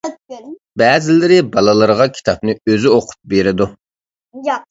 بەزىلىرى بالىلىرىغا كىتابنى ئۆزى ئوقۇپ بېرىدۇ.